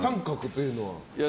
△というのは？